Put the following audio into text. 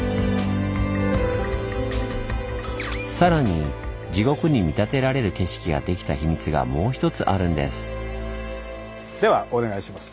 更に地獄に見立てられる景色ができた秘密がもう一つあるんです。